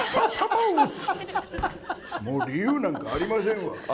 理由なんかありませんわ。